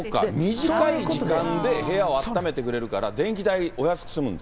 短い時間で部屋をあっためてくれるから、電気代、お安く済むんだ。